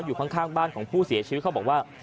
อยู่ข้างบ้านของผู้เสียชีวิตเขาบอกว่า